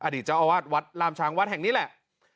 เจ้าอาวาสวัดล่ามช้างวัดแห่งนี้แหละ